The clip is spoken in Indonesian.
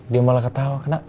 dia malah ketawa